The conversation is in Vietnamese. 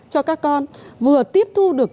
cho các con vừa tiếp thu được